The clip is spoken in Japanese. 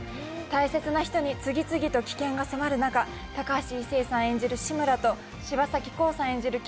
大切な人に次々と危険が迫る中、高橋一生さん演じる志村と柴咲コウさん演じる